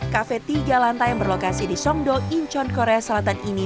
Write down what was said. kafe tiga lantai yang berlokasi di songdo incheon korea selatan ini